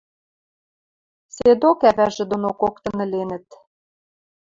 Седок ӓвӓжӹ доно коктын ӹленӹт.